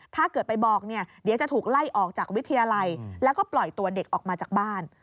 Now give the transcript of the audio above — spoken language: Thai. ถ้าเกิดไปบอกเนี่ยเดี๋ยวจะถูกไล่ออกจากวิทยาลัยแล้วก็ปล่อยตัวเด็กออกมาจากบ้าน